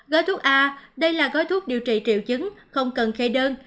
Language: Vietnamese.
gói thuốc a đây là gói thuốc điều trị triệu chứng không cần khe đơn